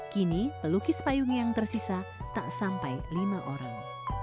kini pelukis payung yang tersisa tak sampai lima orang